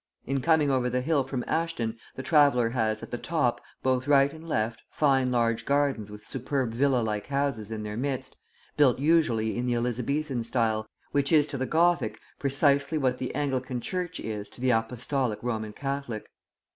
In coming over the hill from Ashton, the traveller has, at the top, both right and left, fine large gardens with superb villa like houses in their midst, built usually in the Elizabethan style, which is to the Gothic precisely what the Anglican Church is to the Apostolic Roman Catholic.